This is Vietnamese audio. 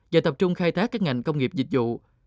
và tập trung khai thác các ngành công nghiệp dịch vụ